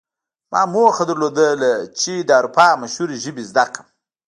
ما موخه لرله چې د اروپا مشهورې ژبې زده کړم